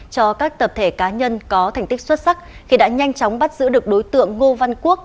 cho các tập thể cá nhân có thành tích xuất sắc khi đã nhanh chóng bắt giữ được đối tượng ngô văn quốc